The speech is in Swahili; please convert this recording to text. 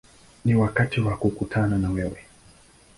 Ni wakati wa kukutana na wewe”.